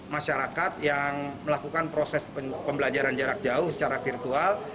masyarakat yang melakukan proses pembelajaran jarak jauh secara virtual